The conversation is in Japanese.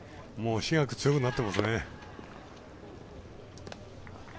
私学、強くなってますね。